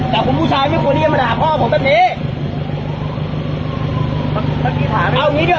แต่คุณผู้ชายไม่ตัวเนี่ยมาด่าพ่อผมแป๊บนี้